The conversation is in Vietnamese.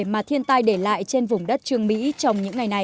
mà thiên tai để lại trên vùng đất trường mỹ trong những ngày này